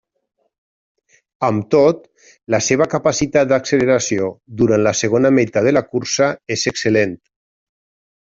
Amb tot, la seva capacitat d'acceleració durant la segona meitat de la cursa és excel·lent.